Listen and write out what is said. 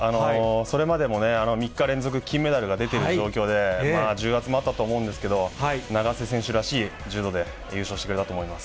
それまでもね、３日連続、金メダルが出ている状況で、重圧もあったと思うんですけど、永瀬選手らしい柔道で優勝してくれたと思います。